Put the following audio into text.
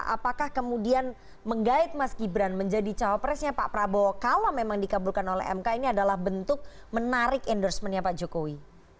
apakah kemudian menggait mas gibran menjadi cawapresnya pak prabowo kalau memang dikabulkan oleh mk ini adalah bentuk menarik endorsementnya pak jokowi